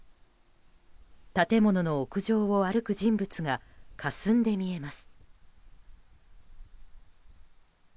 建物の屋上を歩く人物がかすんで見えます。